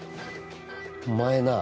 お前なぁ。